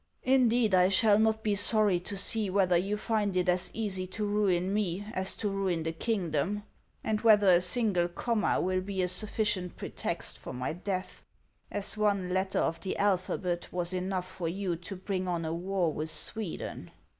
Indeed, I shall not be sorry to see whether you find it as easy to ruin me as to ruin the kingdom, and whether a single comma will be a sufficient pretext for my death, as one letter of HAXS OF ICELAND. 437 the alphabet was enough for you to bring on a war with Sweden."